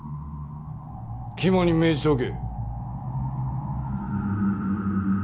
肝に銘じておけ。